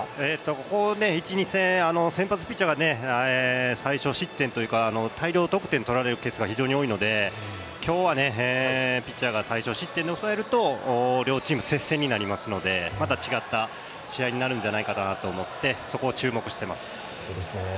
ここ１２戦、先発ピッチャーが最初失点、大量得点をとられるケースが多いので今日はピッチャーが最少失点で抑えると両チーム接戦になるのでまた違った試合になるんではないかなと思ってそこを注目しています。